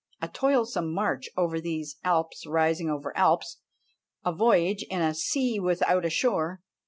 A toilsome march over these "Alps rising over Alps!" a voyage in "a sea without a shore!"